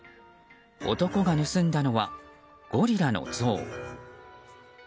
男が盗んだのは、ゴリラの像。